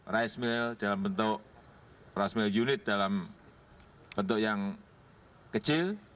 rice mill dalam bentuk unit dalam bentuk yang kecil